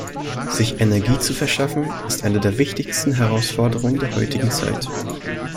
Sich Energie zu verschaffen, ist eine der wichtigsten Herausforderungen der heutigen Zeit.